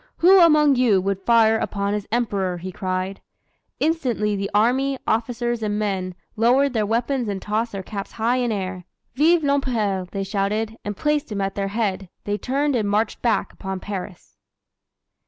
"Who among you would fire upon his Emperor?" he cried. Instantly the army, officers and men, lowered their weapons and tossed their caps high in air. "Vive l'Empereur!" they shouted; and placing him at their head, they turned and marched back upon Paris.